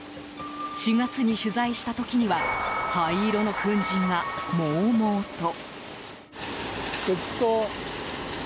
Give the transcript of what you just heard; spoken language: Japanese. ４月に取材した時には灰色の粉じんが、もうもうと。